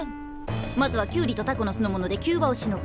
まずはキュウリとタコのすの物で急場をしのぐ。